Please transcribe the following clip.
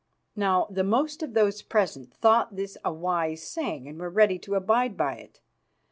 Now, the most of those present thought this a wise saying and were ready to abide by it.